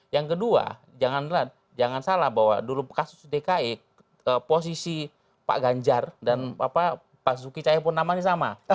yang kedua jangan salah bahwa dulu kasus dki posisi pak ganjar dan pak suki cahayapurnama ini sama